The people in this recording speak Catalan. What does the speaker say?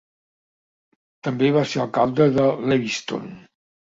També va ser alcalde de Lewiston.